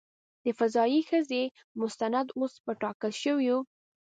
د "فضايي ښځه" مستند اوس په ټاکل شویو .